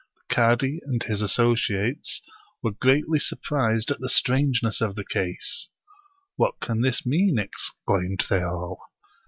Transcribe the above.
The cadi and his associates were greatly surprised at the strangeness of the case. "What can this mean?" exclaimed they all.